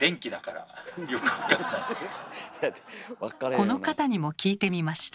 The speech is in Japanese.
この方にも聞いてみました。